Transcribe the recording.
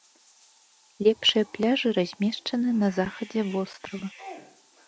Лепшыя пляжы размешчаны на захадзе вострава.